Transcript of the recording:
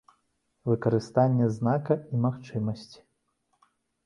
Выкарыстанне знака і магчымасці.